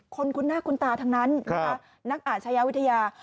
คุ้นหน้าคุ้นตาทั้งนั้นนะคะนักอาชญาวิทยา